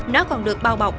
nó còn được bao bọc